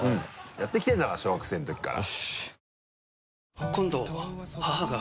やってきてるんだから小学生のときから。